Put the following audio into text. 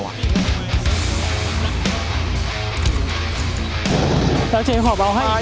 แล้วเจ๊ขอบังให้